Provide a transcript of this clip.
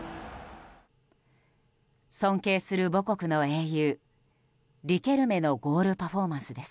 尊敬する母国の英雄、リケルメのゴールパフォーマンスです。